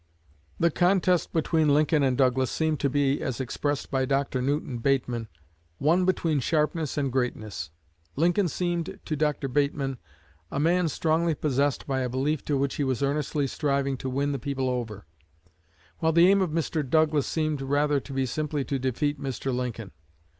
The contest between Lincoln and Douglas seemed to be, as expressed by Dr. Newton Bateman, "one between sharpness and greatness." Lincoln seemed to Dr. Bateman, "a man strongly possessed by a belief to which he was earnestly striving to win the people over; while the aim of Mr. Douglas seemed rather to be simply to defeat Mr. Lincoln."